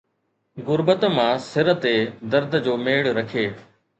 غربت مان سر تي درد جو ميڙ رکي